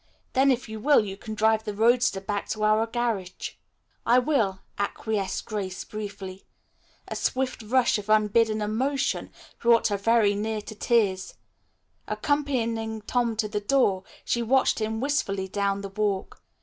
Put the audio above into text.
Then if you will, you can drive the roadster back to our garage." [Illustration: Devoted Love Shone in Her Clear Gray Eyes.] "I will," acquiesced Grace briefly. A swift rush of unbidden emotion brought her very near to tears. Accompanying Tom to the door, she watched him wistfully down the walk.